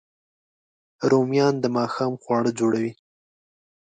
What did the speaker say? رومیان د ماښام خواړه جوړوي